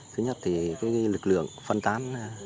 thứ nhất thì lực lượng phân tán